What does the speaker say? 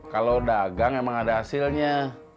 kalau dagang emang ada hasilnya